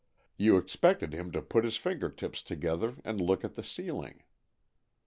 You expected him to put his finger tips together and look at the ceiling.